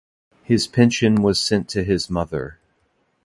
His pension was sent to his mother.